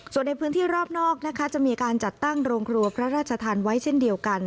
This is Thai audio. ส่วนในพื้นที่รอบนอกนะคะจะมีการจัดตั้งโรงครัวพระราชทานไว้เช่นเดียวกัน